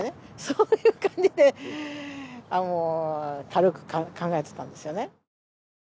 そういう感じでもう軽く考えていたんですよね。